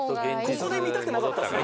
ここで見たくなかったですね